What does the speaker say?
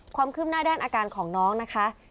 ความคืบหน้าด้านอาการของน้องนะคะ